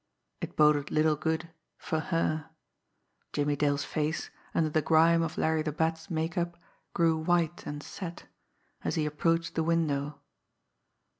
It boded little good for her! Jimmie Dale's face, under the grime of Larry the Bat's make up, grew white and set, as he approached the window.